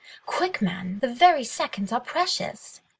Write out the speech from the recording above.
... Quick, man! ... the very seconds are precious!"